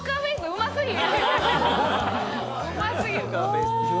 うますぎる。